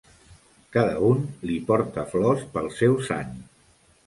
Cada un li porta flors pel seu sant.